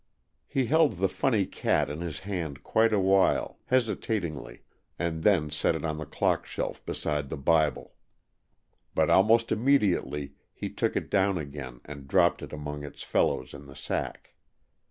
He held the funny cat in his hand quite a while, hesitatingly, and then set it on the clock shelf beside the Bible, but almost immediately he took it down again and dropped it among its fellows in the sack.